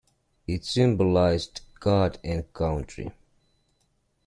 It symbolized God and Country.